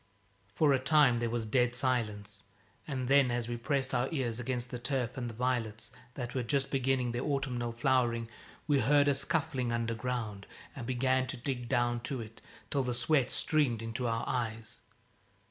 For a time there was dead silence, and then as we pressed our ears against the turf and the violets, that were just beginning their autumnal flowering, we heard a scuffling underground and began to dig down to it, till the sweat streamed into our eyes.